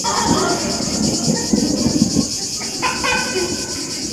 El Foro de Trajano es el último y más impresionante de los foros imperiales.